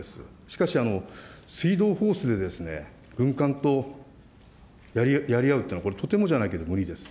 しかし、水道ホースで軍艦とやり合うっていうのは、これ、とてもじゃないけど無理です。